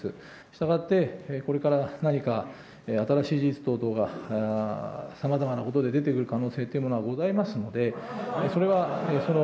したがって、これから何か新しい事実等々がさまざまなことで出てくる可能性というものはございますので、それは。